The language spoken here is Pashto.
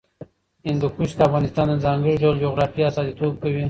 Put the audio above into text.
هندوکش د افغانستان د ځانګړي ډول جغرافیه استازیتوب کوي.